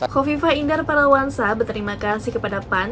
kofifa indar parawansa berterima kasih kepada pan